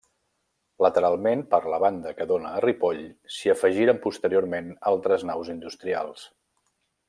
Lateralment, per la banda que dóna a Ripoll, s'hi afegiren posteriorment altres naus industrials.